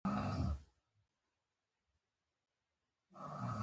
دوی د سلیمان غره په جنوبي څنډو کې څړځایونه لري.